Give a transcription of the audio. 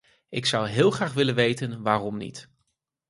Ik zou heel graag willen weten waarom niet.